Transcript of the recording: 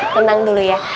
tenang dulu ya